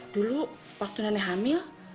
dulu waktu nenek hamil